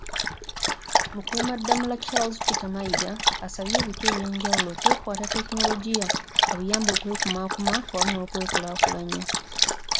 Mukuumaddamula Charles Peter Mayiga, asabye ebika eby’enjawulo okwekwata tekinologiya abiyambe okwekumakuma wamu n’okwekulakulanya.